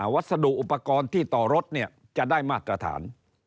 วัสดุอุปกรณ์ที่ต่อรถจะได้มาตรฐาน